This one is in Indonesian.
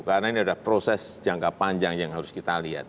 karena ini adalah proses jangka panjang yang harus kita lihat